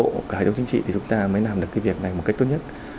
với các cơ quan chính trị thì chúng ta mới làm được cái việc này một cách tốt nhất